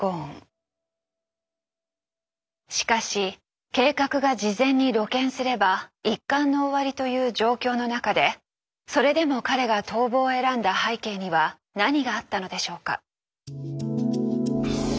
しかし計画が事前に露見すれば一巻の終わりという状況の中でそれでも彼が逃亡を選んだ背景には何があったのでしょうか？